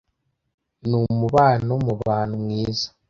n'umubano mu bantu mwiza